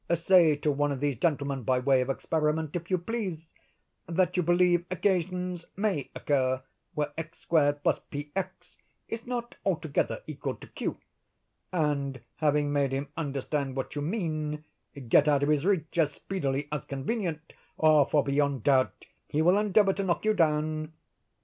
Say to one of these gentlemen, by way of experiment, if you please, that you believe occasions may occur where x2+px is not altogether equal to q, and, having made him understand what you mean, get out of his reach as speedily as convenient, for, beyond doubt, he will endeavor to knock you down.